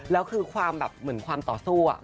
แล้วคือความแบบเหมือนความต่อสู้